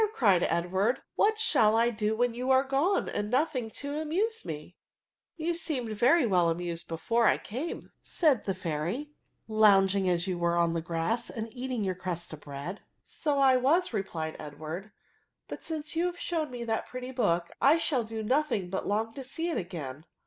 cried Edward, " what shaH I do when you are gone, and nothing to amuse me ?"" You seemed very well amused before I came," said the fairy, " lounging as you were on the grass, and eating your crust of bread." INTERJECTIONS. 105 t4 So I was/* replied Edwaxd; ^' but since jou have shown me that pretty book I shall do nothing but long to see it again.